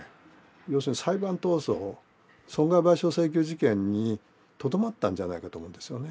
要するに裁判闘争損害賠償請求事件にとどまったんじゃないかと思うんですよね。